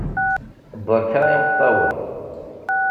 Beṛka imeṭṭawen!